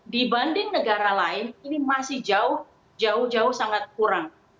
dibanding negara lain ini masih jauh jauh sangat kurang